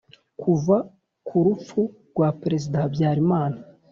kuva ku rupfu rwa perezida habyarimana